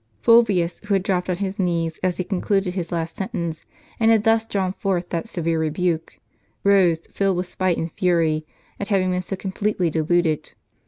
* Fulvius, who had dropped on his knee as he concluded his last sentence, and had thus drawn forth that severe rebuke, rose, tilled with spite and fury, at having been so completely deluded.